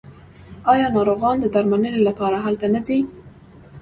آیا ناروغان د درملنې لپاره هلته نه ځي؟